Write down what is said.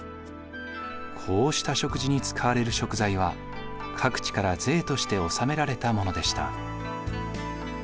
こうした食事に使われる食材は各地から税として納められたものでした。